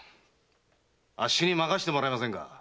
あっしに任してもらえませんか？